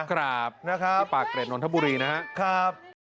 ครับพี่ปากเกรดนนทบุรีนะครับ